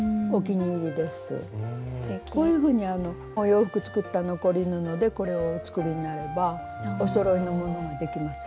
こういうふうにお洋服作った残り布でこれをお作りになればおそろいのものができますよね。